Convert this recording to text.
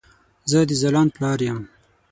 زه د ځلاند پلار يم